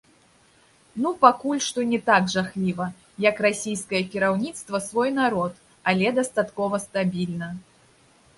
Ну пакуль што не так жахліва, як расійскае кіраўніцтва свой народ, але дастаткова стабільна.